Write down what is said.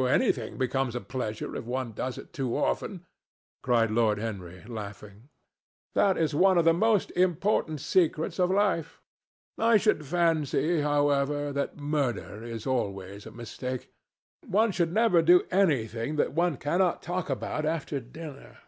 "Oh! anything becomes a pleasure if one does it too often," cried Lord Henry, laughing. "That is one of the most important secrets of life. I should fancy, however, that murder is always a mistake. One should never do anything that one cannot talk about after dinner.